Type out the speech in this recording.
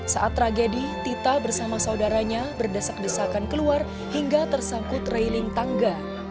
saat tragedi tita bersama saudaranya berdesak desakan keluar hingga tersangkut railing tangga